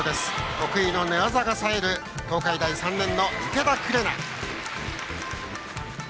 得意の寝技がさえる東海大３年の池田紅。